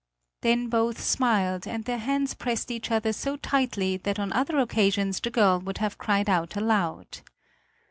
Then both smiled, and their hands pressed each other so tightly that on other occasions the girl would have cried out aloud.